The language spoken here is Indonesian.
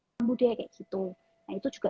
lambu deh kayak gitu nah itu juga